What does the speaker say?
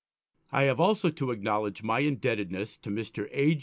I have also to acknowledge my indebtedness to Mr. A.